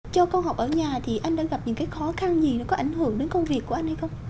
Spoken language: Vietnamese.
cho con học ở nhà thì anh đang gặp những cái khó khăn gì nó có ảnh hưởng đến công việc của anh hay không